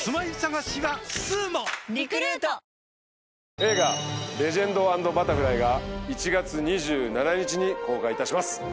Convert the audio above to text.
映画『レジェンド＆バタフライ』が１月２７日に公開いたします。